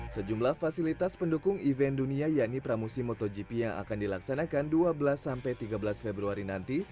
sejumlah fasilitas pendukung event dunia yakni pramusim motogp yang akan dilaksanakan dua belas tiga belas februari nanti